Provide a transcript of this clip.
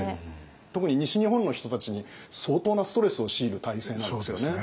特に西日本の人たちに相当なストレスを強いる体制なんですよね。